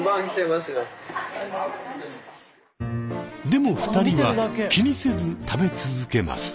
でも２人は気にせず食べ続けます。